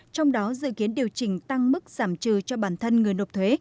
trong đó dự kiến điều chỉnh tăng mức giảm trừ cho bản thân người nộp thuế